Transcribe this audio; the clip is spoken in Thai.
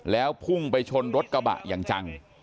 แล้วพุ่งไปชนรถกระบะอย่างจัง